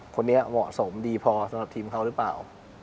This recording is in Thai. คนนี้เหมาะสมดีพอสำหรับทีมเขาหรือเปล่า